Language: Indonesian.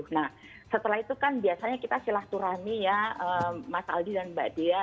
nah setelah itu kan biasanya kita silaturahmi ya mas aldi dan mbak dea